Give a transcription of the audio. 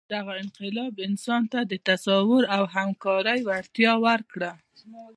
دغه انقلاب انسان ته د تصور او همکارۍ وړتیا ورکړه.